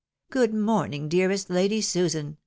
" Good morning, dearest Lady Susan